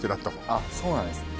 あそうなんですね